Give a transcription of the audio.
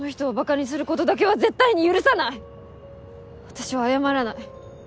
私は謝らない。